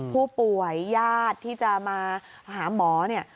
ญาติที่จะมาหาหมอเนี่ย